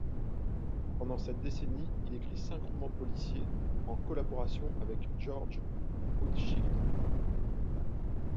Pendant cette décennie, il écrit cinq romans policiers en collaboration avec George Goodchild.